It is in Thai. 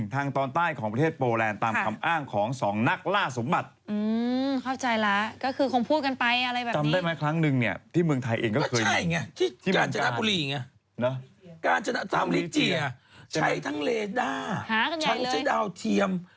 ใช้ทั้งเลดาหากันใหญ่เลยชั้นใช้ดาวเทียม